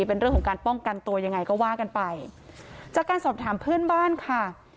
เป็นเรื่องของการป้องกันตัวยังไงก็ว่ากันไปจากการสอบถามเพื่อนบ้านค่ะ